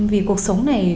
vì cuộc sống này